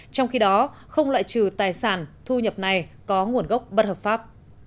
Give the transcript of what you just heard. trong khi đó không loại trừ tài sản thu nhập này có nguồn gốc bất hợp pháp